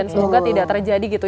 dan semoga tidak terjadi gitu